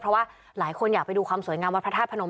เพราะว่าหลายคนอยากไปดูความสวยงามวัดพระธาตุพนม